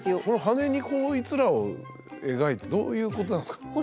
この羽にこいつらを描いてどういうことなんすか？